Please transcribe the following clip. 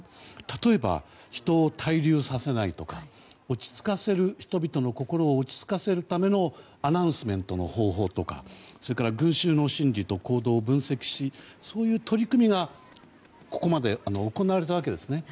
例えば、人を滞留させないとか人々の心を落ち着かせるためのアナウンスメントの方法とか群衆の心理と行動を分析するとかそういう取り組みがここまで、行われたわけですね。